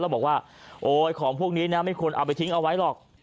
แล้วบอกว่าโอ๊ยของพวกนี้นะไม่ควรเอาไปทิ้งเอาไว้หรอก